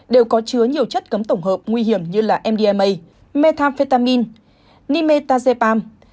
đều có chứa nhiều chất cấm tổng hợp nguy hiểm như mdma methamphetamine nimetazepam